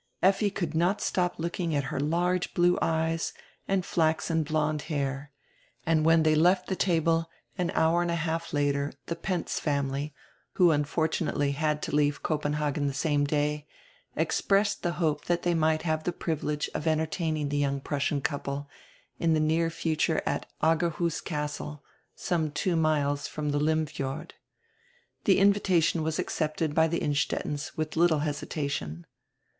Lffi could not stop looking at her large blue eyes and flaxen blonde hair, and when diey left die table an hour and a half later die Penz family, who unfortunately had to leave Copenhagen die same day, expressed die hope that diey might have die privilege of entertaining die young Prus sian couple in die near future at Aggerhuus Castie, some two miles from die Lym Liord. The invitation was ac cepted by die Innstettens widi little hesitation.